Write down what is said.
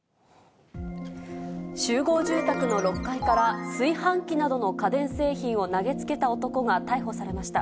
集合住宅の６階から、炊飯器などの家電製品を投げつけた男が逮捕されました。